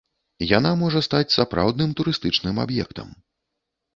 Яна можа стаць сапраўдным турыстычным аб'ектам.